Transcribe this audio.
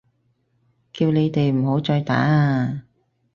叫你哋唔好再打啊！